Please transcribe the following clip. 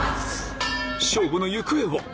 勝負の行方は？